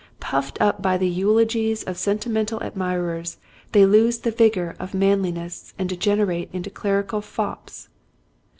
Puffed up by the eulogies of sentimental admirers they lose the vigor of manliness and degenerate into clerical fops.